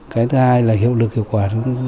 cái thứ hai là hiệu lực hiệu quả